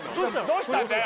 どうしたんだよ